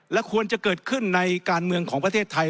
และควรจะเกิดขึ้นในการเมืองของประเทศไทย